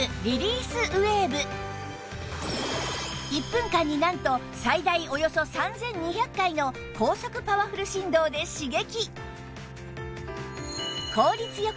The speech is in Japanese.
１分間になんと最大およそ３２００回の高速パワフル振動で刺激